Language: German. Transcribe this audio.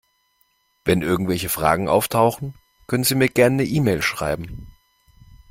Wenn irgendwelche Fragen auftauchen, können Sie mir gern 'ne E-Mail schreiben.